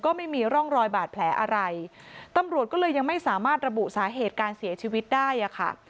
ก็ไม่มีร่องรอยบาดแผลอะไรตำรวจก็เลยยังไม่สามารถระบุสาเหตุการเสียชีวิตได้อ่ะค่ะ